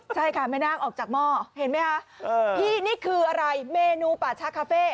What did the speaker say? ใช่ค่ะแม่นาคออกจากหม้อเห็นไหมคะพี่นี่คืออะไรเมนูป่าชาคาเฟ่